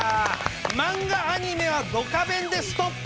漫画アニメは「ドカベン」でストップ！